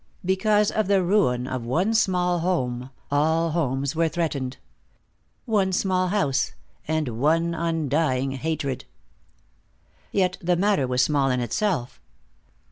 Because of the ruin of one small home all homes were threatened. One small house, and one undying hatred. Yet the matter was small in itself.